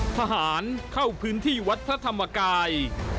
ทหารเข้าพื้นที่วัดพระธรรมกาย